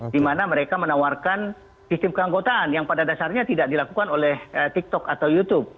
di mana mereka menawarkan sistem keanggotaan yang pada dasarnya tidak dilakukan oleh tiktok atau youtube